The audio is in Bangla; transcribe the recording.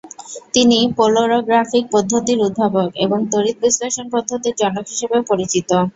তিনি পোলারোগ্রাফিক পদ্ধতির উদ্ভাবক এবং তড়িৎবিশ্লেষণ পদ্ধতির জনক হিসেবেও পরিচিত।